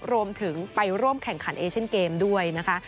รวมถึงไปร่วมแข่งขันเอเชียนเกมด้วยนะคะ